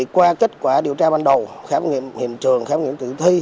qua kết quả điều tra ban đầu khám nghiệm hiện trường khám nghiệm tử thi